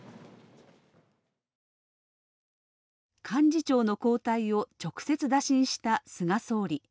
幹事長の交代を直接打診した菅総理。